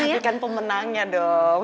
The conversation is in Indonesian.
apikan pemenangnya dong